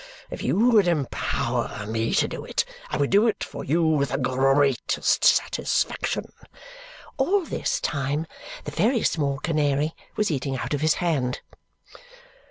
If you would empower me to do it, I would do it for you with the greatest satisfaction!" (All this time the very small canary was eating out of his hand.)